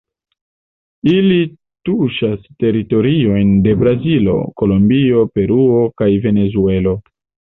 Ili tuŝas teritoriojn de Brazilo, Kolombio, Peruo kaj Venezuelo.